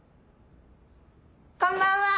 こんばんは！